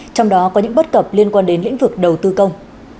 trong đó có những bất cập liên quan đến lĩnh vực đầu tư công